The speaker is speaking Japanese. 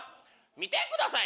見てください